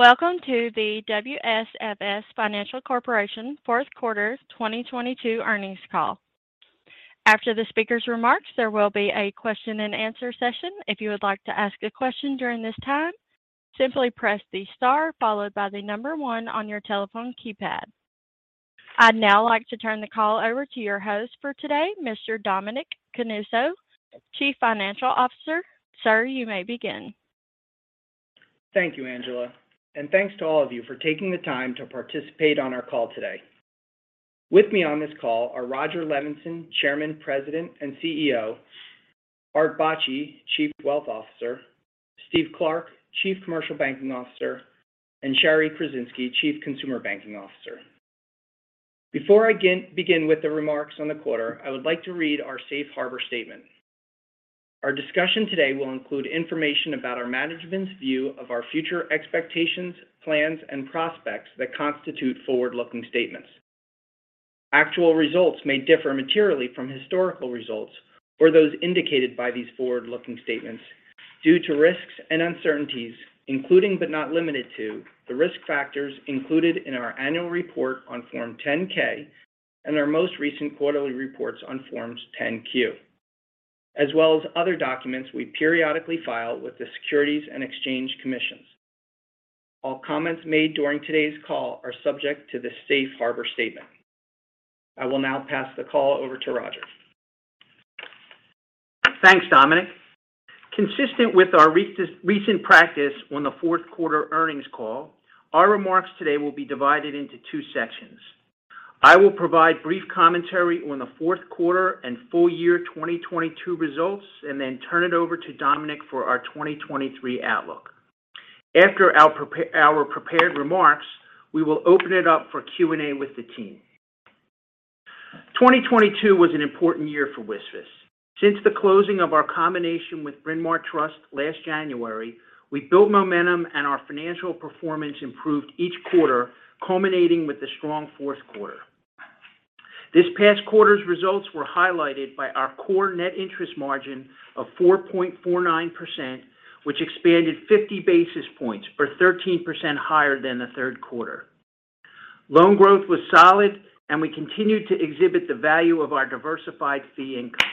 Welcome to the WSFS Financial Corporation Fourth Quarter 2022 Earnings Call. After the speaker's remarks, there will be a question and answer session. If you would like to ask a question during this time, simply press the star followed by one on your telephone keypad. I'd now like to turn the call over to your host for today, Mr. Dominic Canuso, Chief Financial Officer. Sir, you may begin. Thank you, Angela, and thanks to all of you for taking the time to participate on our call today. With me on this call are Rodger Levenson, Chairman, President, and CEO, Arthur J. Bacci, Chief Wealth Officer, Stephen Clark, Chief Commercial Banking Officer, and Shari Kruzinski, Chief Consumer Banking Officer. Before I begin with the remarks on the quarter, I would like to read our safe harbor statement. Our discussion today will include information about our management's view of our future expectations, plans, and prospects that constitute forward-looking statements. Actual results may differ materially from historical results or those indicated by these forward-looking statements due to risks and uncertainties, including but not limited to, the risk factors included in our annual report on Form 10-K and our most recent quarterly reports on Forms 10-Q, as well as other documents we periodically file with the Securities and Exchange Commission. All comments made during today's call are subject to the safe harbor statement. I will now pass the call over to Rodger. Thanks, Dominic. Consistent with our recent practice on the fourth quarter earnings call, our remarks today will be divided into two sections. I will provide brief commentary on the fourth quarter and full year 2022 results and then turn it over to Dominic for our 2023 outlook. After our prepared remarks, we will open it up for Q&A with the team. 2022 was an important year for WSFS. Since the closing of our combination with Bryn Mawr Trust last January, we built momentum, and our financial performance improved each quarter, culminating with the strong fourth quarter. This past quarter's results were highlighted by our core net interest margin of 4.49%, which expanded 50 basis points or 13% higher than the third quarter. Loan growth was solid, and we continued to exhibit the value of our diversified fee income.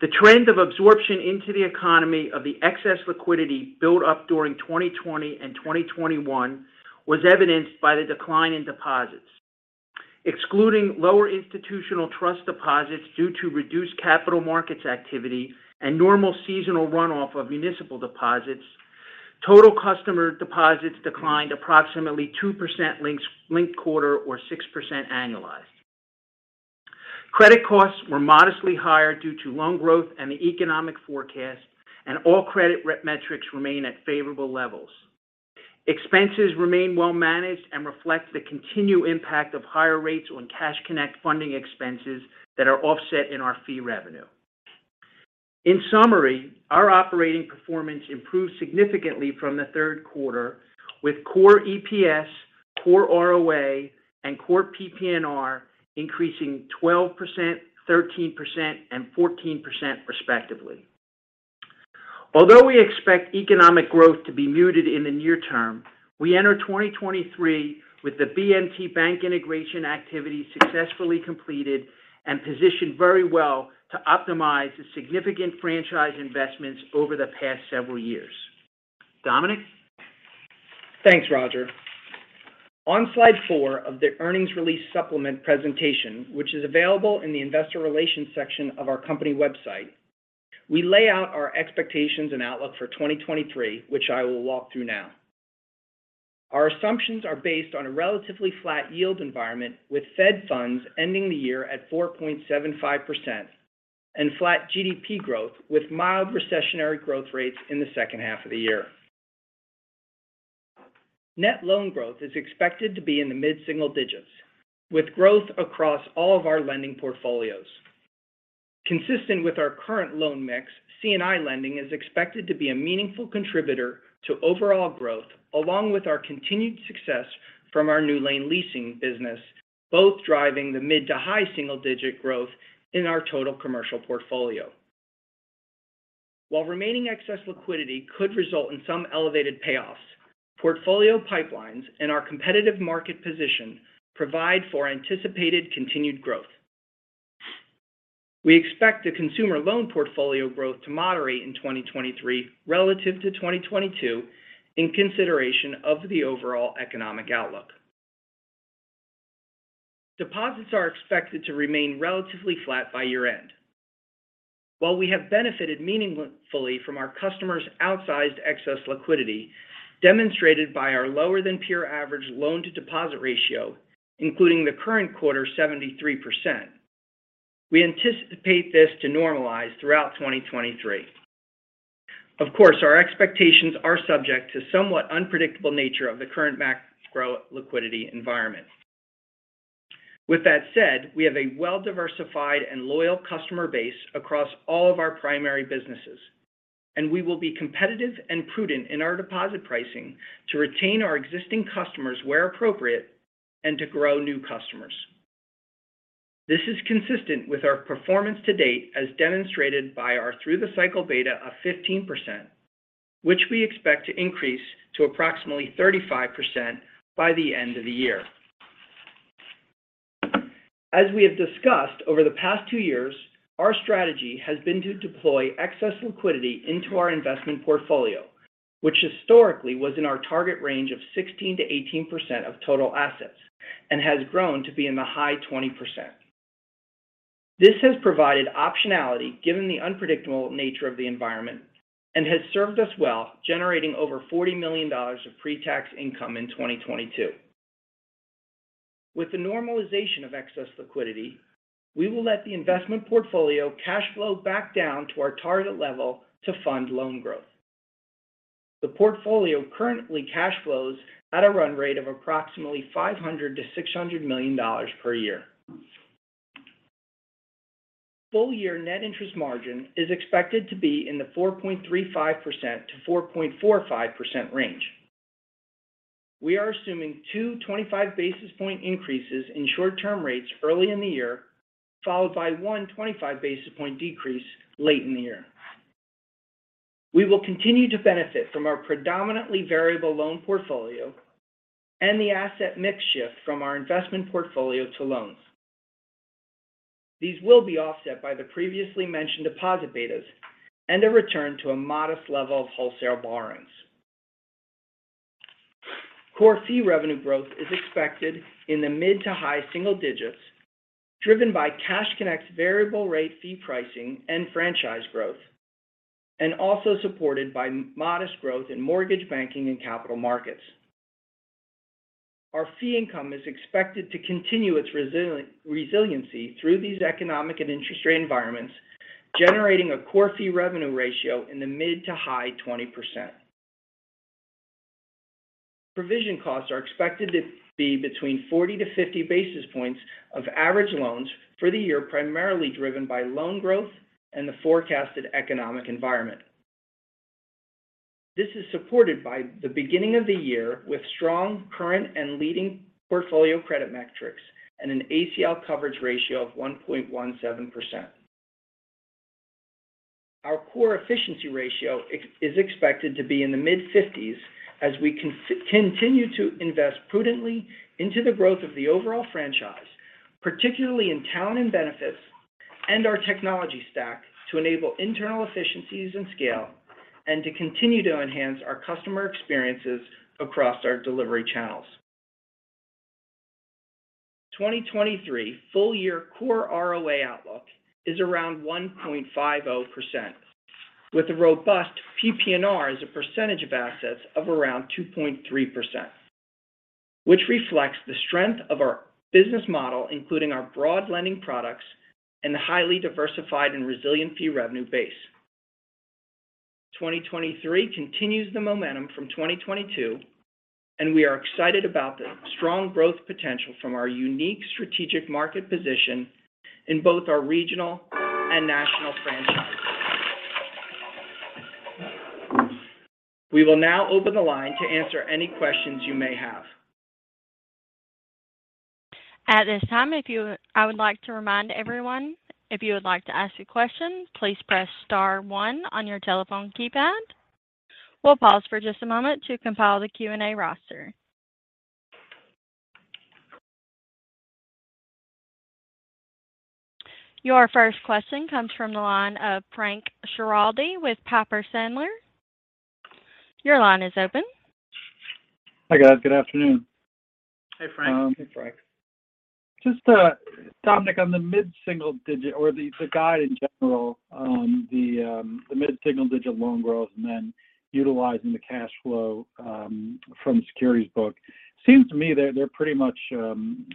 The trend of absorption into the economy of the excess liquidity built up during 2020 and 2021 was evidenced by the decline in deposits. Excluding lower institutional trust deposits due to reduced capital markets activity and normal seasonal runoff of municipal deposits, total customer deposits declined approximately 2% linked quarter or 6% annualized. Credit costs were modestly higher due to loan growth and the economic forecast, and all credit metrics remain at favorable levels. Expenses remain well-managed and reflect the continued impact of higher rates on Cash Connect funding expenses that are offset in our fee revenue. In summary, our operating performance improved significantly from the third quarter with core EPS, core ROA, and core PPNR increasing 12%, 13%, and 14% respectively. Although we expect economic growth to be muted in the near term, we enter 2023 with the BMT Bank integration activity successfully completed and positioned very well to optimize the significant franchise investments over the past several years. Dominic? Thanks, Rodger. On slide four of the earnings release supplement presentation, which is available in the investor relations section of our company website, we lay out our expectations and outlook for 2023, which I will walk through now. Our assumptions are based on a relatively flat yield environment with Fed funds ending the year at 4.75% and flat GDP growth with mild recessionary growth rates in the second half of the year. Net loan growth is expected to be in the mid-single digits with growth across all of our lending portfolios. Consistent with our current loan mix, C&I lending is expected to be a meaningful contributor to overall growth along with our continued success from our NewLane Leasing business, both driving the mid to high single digit growth in our total commercial portfolio. While remaining excess liquidity could result in some elevated payoffs, portfolio pipelines and our competitive market position provide for anticipated continued growth. We expect the consumer loan portfolio growth to moderate in 2023 relative to 2022 in consideration of the overall economic outlook. Deposits are expected to remain relatively flat by year-end. While we have benefited meaningfully from our customers' outsized excess liquidity, demonstrated by our lower than peer average loan-to-deposit ratio, including the current quarter 73%, we anticipate this to normalize throughout 2023. Of course, our expectations are subject to somewhat unpredictable nature of the current macro liquidity environment. With that said, we have a well-diversified and loyal customer base across all of our primary businesses. We will be competitive and prudent in our deposit pricing to retain our existing customers where appropriate and to grow new customers. This is consistent with our performance to date as demonstrated by our through the cycle beta of 15%, which we expect to increase to approximately 35% by the end of the year. As we have discussed over the past two years, our strategy has been to deploy excess liquidity into our investment portfolio, which historically was in our target range of 16%-18% of total assets and has grown to be in the high 20%. This has provided optionality given the unpredictable nature of the environment and has served us well, generating over $40 million of pre-tax income in 2022. With the normalization of excess liquidity, we will let the investment portfolio cash flow back down to our target level to fund loan growth. The portfolio currently cash flows at a run rate of approximately $500 million-$600 million per year. Full year net interest margin is expected to be in the 4.35%-4.45% range. We are assuming two 25 basis point increases in short-term rates early in the year, followed by one 25 basis point decrease late in the year. We will continue to benefit from our predominantly variable loan portfolio and the asset mix shift from our investment portfolio to loans. These will be offset by the previously mentioned deposit betas and a return to a modest level of wholesale borrowings. Core fee revenue growth is expected in the mid to high single digits, driven by Cash Connect's variable rate fee pricing and franchise growth, also supported by modest growth in mortgage banking and capital markets. Our fee income is expected to continue its resiliency through these economic and interest rate environments, generating a core fee revenue ratio in the mid to high 20%. Provision costs are expected to be between 40-50 basis points of average loans for the year, primarily driven by loan growth and the forecasted economic environment. This is supported by the beginning of the year with strong current and leading portfolio credit metrics and an ACL coverage ratio of 1.17%. Our core efficiency ratio is expected to be in the mid-50s as we continue to invest prudently into the growth of the overall franchise, particularly in talent and benefits and our technology stack to enable internal efficiencies and scale and to continue to enhance our customer experiences across our delivery channels. 2023 full year core ROA outlook is around 1.50%, with a robust PPNR as a percentage of assets of around 2.3%, which reflects the strength of our business model, including our broad lending products and the highly diversified and resilient fee revenue base. 2023 continues the momentum from 2022. We are excited about the strong growth potential from our unique strategic market position in both our regional and national franchises. We will now open the line to answer any questions you may have. At this time, I would like to remind everyone if you would like to ask a question, please press star one on your telephone keypad. We'll pause for just a moment to compile the Q&A roster. Your first question comes from the line of Frank Schiraldi with Piper Sandler. Your line is open. Hi, guys. Good afternoon. Hey, Frank. Hey, Frank. Just, Dominic, on the mid-single digit or the guide in general on the mid-single digit loan growth and then utilizing the cash flow from securities book. Seems to me they're pretty much, I don't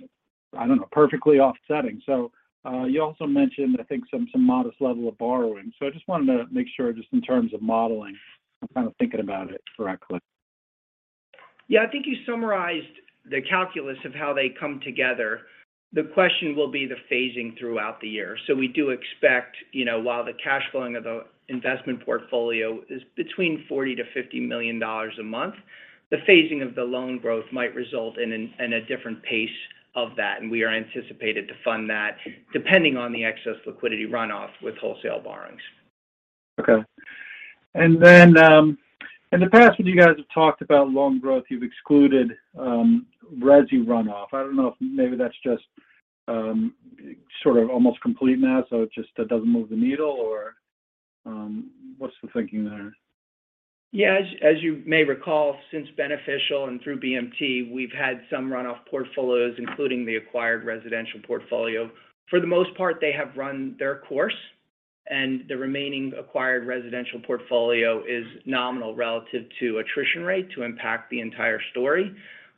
know, perfectly offsetting. You also mentioned, I think, some modest level of borrowing. I just wanted to make sure just in terms of modeling, I'm kind of thinking about it correctly. Yeah. I think you summarized the calculus of how they come together. The question will be the phasing throughout the year. We do expect, you know, while the cash flowing of the investment portfolio is between $40 million-$50 million a month, the phasing of the loan growth might result in a different pace of that. We are anticipated to fund that depending on the excess liquidity runoff with wholesale borrowings. Okay. In the past, when you guys have talked about loan growth, you've excluded, resi runoff. I don't know if maybe that's just, sort of almost complete now, so it just doesn't move the needle or, what's the thinking there? Yeah. As you may recall, since beneficial and through BMT, we've had some runoff portfolios, including the acquired residential portfolio. For the most part, they have run their course, and the remaining acquired residential portfolio is nominal relative to attrition rate to impact the entire story.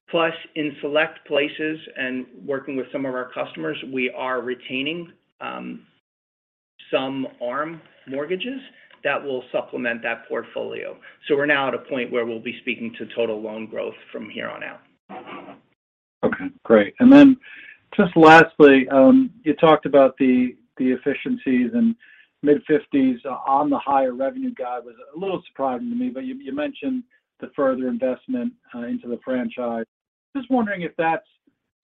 Plus, in select places and working with some of our customers, we are retaining some ARM mortgages that will supplement that portfolio. We're now at a point where we'll be speaking to total loan growth from here on out. Okay, great. Just lastly, you talked about the efficiencies and mid-50s on the higher revenue guide was a little surprising to me, but you mentioned the further investment into the franchise. Just wondering if that's.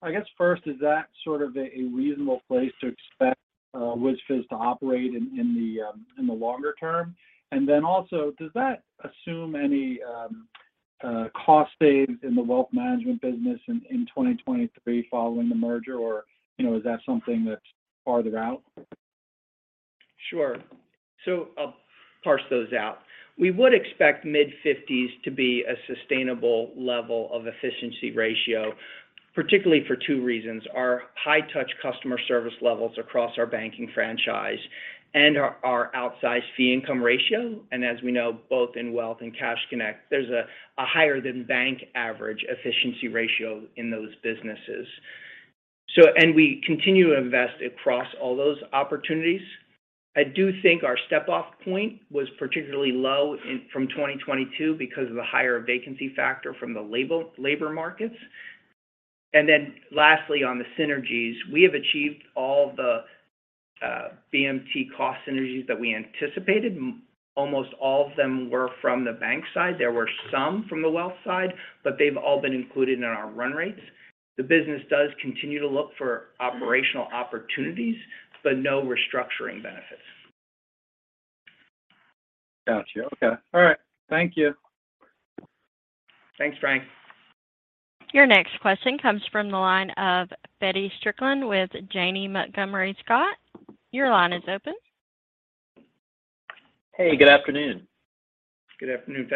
I guess first is that sort of a reasonable place to expect WSFS to operate in the longer term? Then also, does that assume any cost saves in the wealth management business in 2023 following the merger? Or, you know, is that something that's farther out? Sure. I'll parse those out. We would expect mid-50s to be a sustainable level of efficiency ratio, particularly for two reasons: our high-touch customer service levels across our banking franchise and our outsized fee income ratio. As we know, both in wealth and Cash Connect, there's a higher-than-bank average efficiency ratio in those businesses. We continue to invest across all those opportunities. I do think our step-off point was particularly low from 2022 because of the higher vacancy factor from the labor markets. Lastly, on the synergies, we have achieved all the BMT cost synergies that we anticipated. Almost all of them were from the bank side. There were some from the wealth side, they've all been included in our run rates. The business does continue to look for operational opportunities, no restructuring benefits. Got you. Okay. All right. Thank you. Thanks, Frank. Your next question comes from the line of Feddie Strickland with Janney Montgomery Scott. Your line is open. Hey, good afternoon. Good afternoon,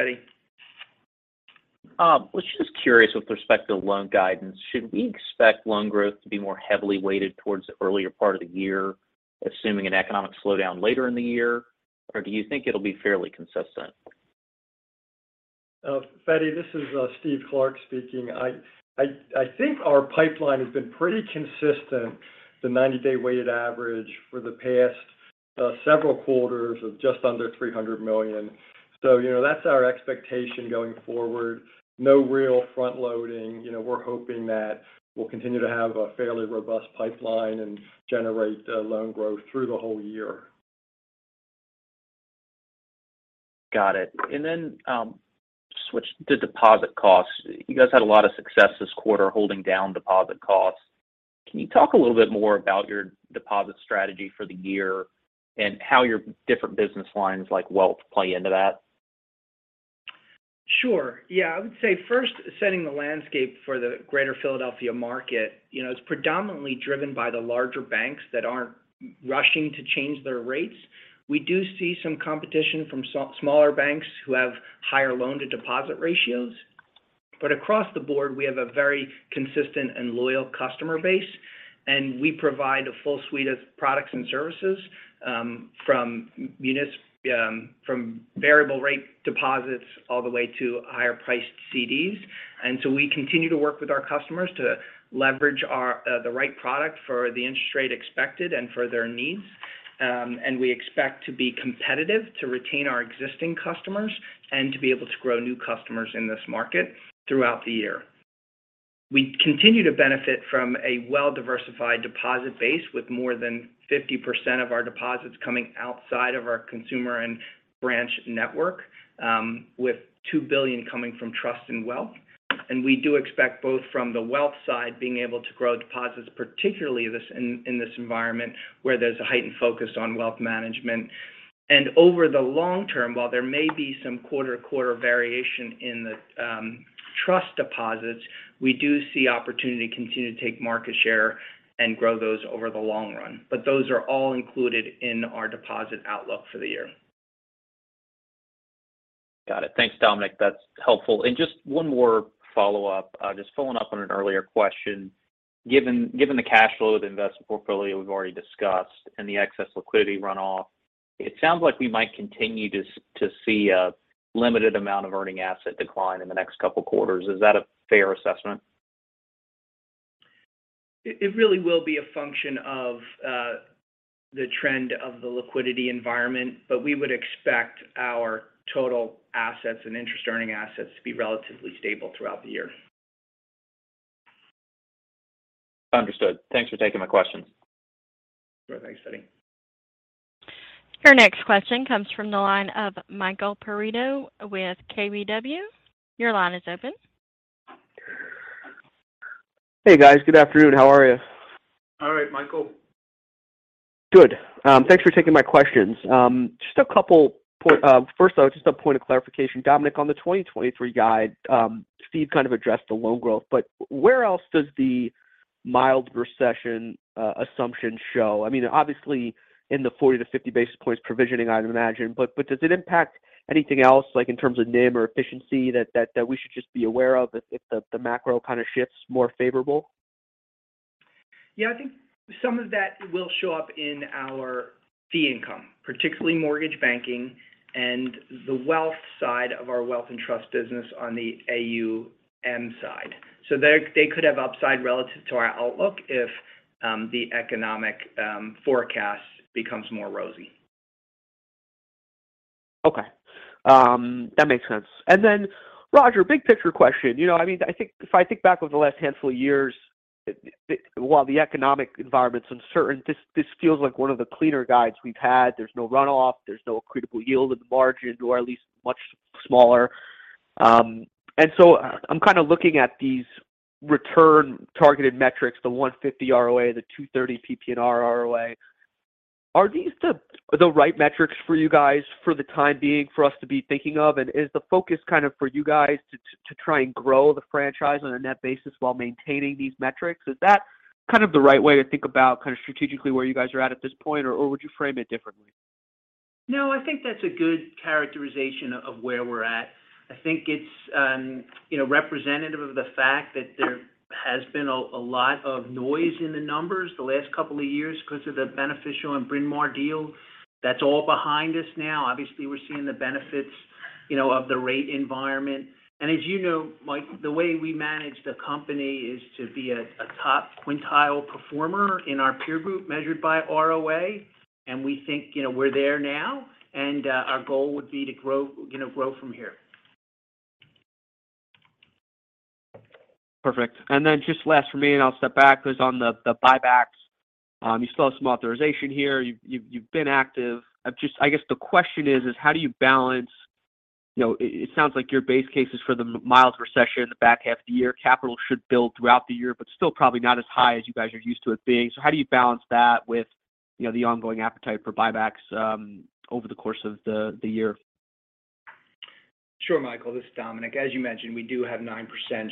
Feddie. Was just curious with respect to loan guidance. Should we expect loan growth to be more heavily weighted towards the earlier part of the year, assuming an economic slowdown later in the year? Do you think it'll be fairly consistent? Feddie, this is Stephen Clark speaking. I think our pipeline has been pretty consistent. The 90-day weighted average for the past several quarters of just under $300 million. You know, that's our expectation going forward. No real front-loading. You know, we're hoping that we'll continue to have a fairly robust pipeline and generate loan growth through the whole year. Got it. Switch to deposit costs. You guys had a lot of success this quarter holding down deposit costs. Can you talk a little bit more about your deposit strategy for the year and how your different business lines like wealth play into that? Sure. Yeah, I would say first setting the landscape for the Greater Philadelphia market, you know, it's predominantly driven by the larger banks that aren't rushing to change their rates. We do see some competition from smaller banks who have higher loan-to-deposit ratios. Across the board, we have a very consistent and loyal customer base, and we provide a full suite of products and services, from variable rate deposits all the way to higher priced CDs. We continue to work with our customers to leverage the right product for the interest rate expected and for their needs. We expect to be competitive to retain our existing customers and to be able to grow new customers in this market throughout the year. We continue to benefit from a well-diversified deposit base with more than 50% of our deposits coming outside of our consumer and branch network, with $2 billion coming from trust and wealth. We do expect both from the wealth side being able to grow deposits, particularly in this environment where there's a heightened focus on wealth management. Over the long term, while there may be some quarter-to-quarter variation in the trust deposits, we do see opportunity to continue to take market share and grow those over the long run. Those are all included in our deposit outlook for the year. Got it. Thanks, Dominic. That's helpful. Just one more follow-up, just following up on an earlier question. Given the cash flow of the investment portfolio we've already discussed and the excess liquidity runoff, it sounds like we might continue to see a limited amount of earning asset decline in the next couple quarters. Is that a fair assessment? It really will be a function of the trend of the liquidity environment, but we would expect our total assets and interest earning assets to be relatively stable throughout the year. Understood. Thanks for taking my questions. Sure thing, Feddie. Your next question comes from the line of Michael Perito with KBW. Your line is open. Hey, guys. Good afternoon. How are you? All right, Michael. Good. Thanks for taking my questions. First, though, just a point of clarification. Dominic, on the 2023 guide, Steve kind of addressed the loan growth, but where else does the mild recession assumption show? I mean, obviously in the 40 to 50 basis points provisioning, I'd imagine. Does it impact anything else, like in terms of NIM or efficiency that we should just be aware of if the macro kind of shifts more favorable? Yeah, I think some of that will show up in our fee income, particularly mortgage banking and the wealth side of our wealth and trust business on the AUM side. They could have upside relative to our outlook if the economic forecast becomes more rosy. Okay. That makes sense. Then Rodger, big picture question. You know, I mean, I think if I think back over the last handful of years, while the economic environment's uncertain, this feels like one of the cleaner guides we've had. There's no runoff. There's no credible yield at the margin, or at least much smaller. I'm kind a looking at these return targeted metrics, the 150 ROA, the 230 PPNR ROA. Are these the right metrics for you guys for the time being for us to be thinking of? Is the focus kind of for you guys to try and grow the franchise on a net basis while maintaining these metrics? Is that kind of the right way to think about kind of strategically where you guys are at at this point, or would you frame it differently? No, I think that's a good characterization of where we're at. I think it's, you know, representative of the fact that there has been a lot of noise in the numbers the last couple of years 'cause of the Beneficial and Bryn Mawr deal. That's all behind us now. Obviously, we're seeing the benefits, you know, of the rate environment. As you know, Mike, the way we manage the company is to be a top quintile performer in our peer group measured by ROA, and we think, you know, we're there now, and our goal would be to grow, you know, from here. Perfect. Just last for me, and I'll step back, was on the buybacks. You still have some authorization here. You've been active. I guess the question is how do you balance... You know, it sounds like your base case is for the mild recession in the back half of the year. Capital should build throughout the year, but still probably not as high as you guys are used to it being. How do you balance that with, you know, the ongoing appetite for buybacks, over the course of the year? Sure, Michael. This is Dominic. As you mentioned, we do have 9%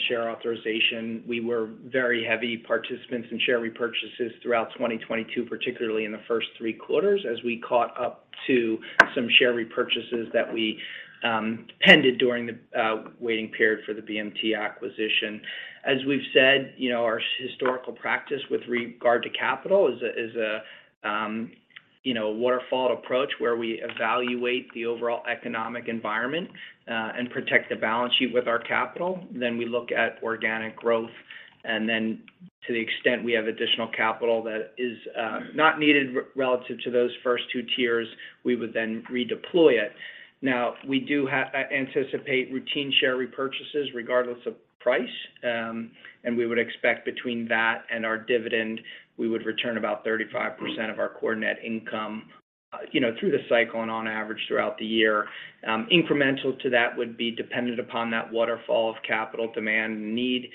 share authorization. We were very heavy participants in share repurchases throughout 2022, particularly in the first three quarters, as we caught up to some share repurchases that we pended during the waiting period for the BMT acquisition. As we've said, you know, our historical practice with regard to capital is a, you know, waterfall approach where we evaluate the overall economic environment and protect the balance sheet with our capital. Then we look at organic growth. To the extent we have additional capital that is not needed relative to those first two tiers, we would then redeploy it. We do anticipate routine share repurchases regardless of price. We would expect between that and our dividend, we would return about 35% of our core net income, you know, through the cycle and on average throughout the year. Incremental to that would be dependent upon that waterfall of capital demand and need,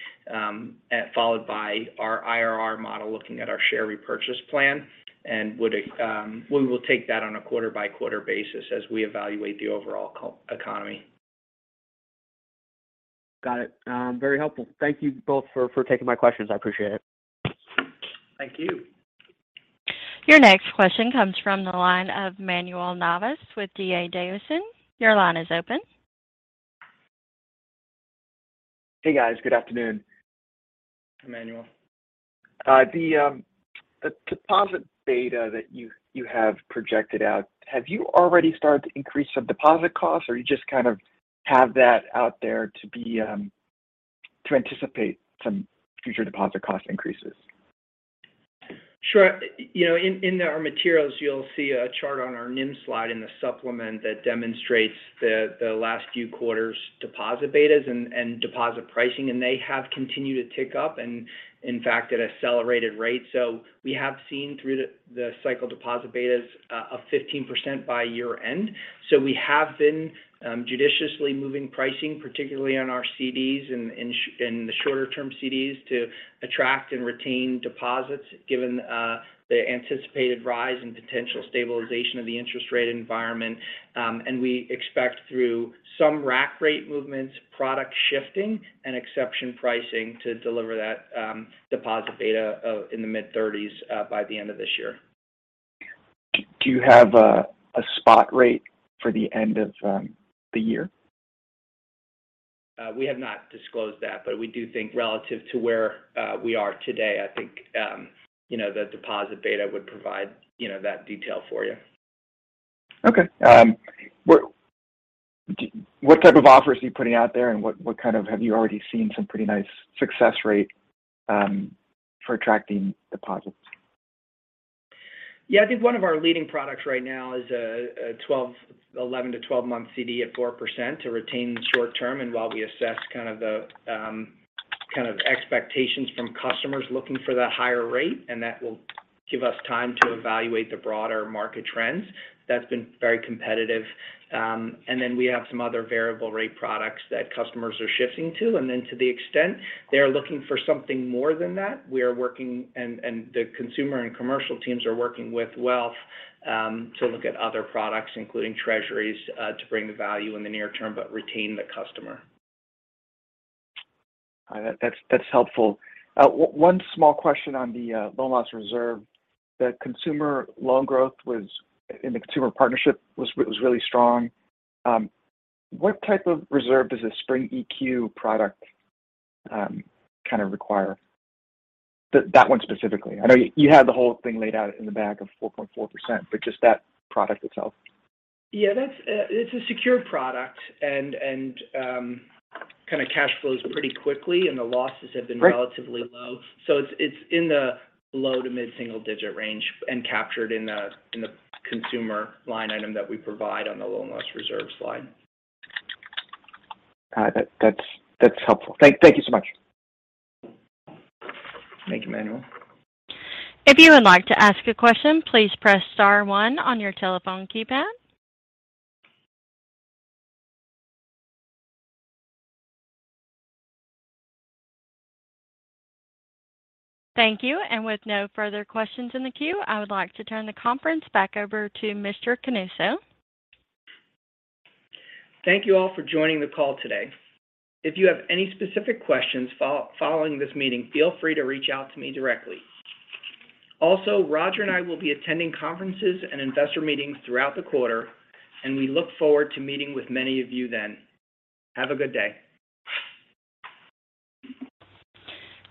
followed by our IRR model looking at our share repurchase plan. Would it, we will take that on a quarter-by-quarter basis as we evaluate the overall economy. Got it. Very helpful. Thank you both for taking my questions. I appreciate it. Thank you. Your next question comes from the line of Manuel Navas with D.A. Davidson. Your line is open. Hey, guys. Good afternoon. Hi, Manuel. The deposit data that you have projected out, have you already started to increase some deposit costs, or you just kind of have that out there to be to anticipate some future deposit cost increases? Sure. You know, in our materials, you'll see a chart on our NIM slide in the supplement that demonstrates the last few quarters deposit betas and deposit pricing, and they have continued to tick up and, in fact, at accelerated rate. We have seen through the cycle deposit betas a 15% by year-end. We have been judiciously moving pricing, particularly on our CDs and in the shorter-term CDs to attract and retain deposits given the anticipated rise in potential stabilization of the interest rate environment. We expect through some rack rate movements, product shifting, and exception pricing to deliver that deposit beta in the mid-30s by the end of this year. Do you have a spot rate for the end of the year? We have not disclosed that, but we do think relative to where we are today, I think, you know, the deposit beta would provide, you know, that detail for you. Okay. What type of offers are you putting out there, and what kind of have you already seen some pretty nice success rate for attracting deposits? Yeah. I think one of our leading products right now is a 11-12 month CD at 4% to retain short term, and while we assess kind of expectations from customers looking for that higher rate. That will give us time to evaluate the broader market trends. That's been very competitive. We have some other variable rate products that customers are shifting to. To the extent they are looking for something more than that, we are working and the consumer and commercial teams are working with wealth to look at other products, including treasuries, to bring the value in the near term but retain the customer. That, that's helpful. One small question on the loan loss reserve. The consumer loan growth was in the consumer partnership was really strong. What type of reserve does a Spring EQ product kind of require? That one specifically. I know you had the whole thing laid out in the back of 4.4%, but just that product itself. Yeah. That's, it's a secure product and, kind a cash flows pretty quickly, and the losses have been. Right Relatively low. It's in the low to mid-single-digit range and captured in the consumer line item that we provide on the loan loss reserve slide. That's helpful. Thank you so much. Thank you, Manuel. If you would like to ask a question, please press star one on your telephone keypad. Thank you. With no further questions in the queue, I would like to turn the conference back over to Mr. Canuso. Thank you all for joining the call today. If you have any specific questions following this meeting, feel free to reach out to me directly. Also, Rodger and I will be attending conferences and investor meetings throughout the quarter, and we look forward to meeting with many of you then. Have a good day.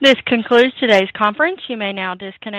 This concludes today's conference. You may now disconnect.